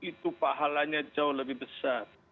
itu pahalanya jauh lebih besar